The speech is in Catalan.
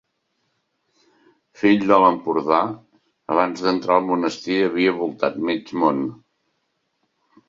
Fill de l'Empordà, abans d'entrar al monestir havia voltat mig món.